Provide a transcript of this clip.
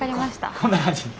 こんな感じ。